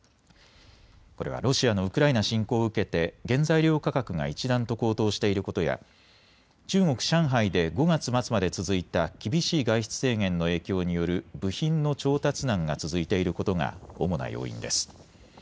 これはロシアのウクライナ侵攻を受けて原材料価格が一段と高騰していることや中国・上海で５月末まで続いた厳しい外出制限の影響による部品の調達難が続いていることが主な要因です。